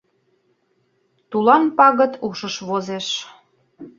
Тулан пагыт ушыш возеш…